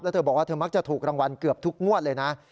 เธอบอกว่าเธอมักจะถูกรางวัลเกือบทุกงวดเลยนะ